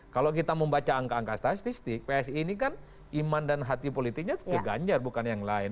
kalau kita membaca angka angka statistik psi ini kan iman dan hati politiknya ke ganjar bukan yang lain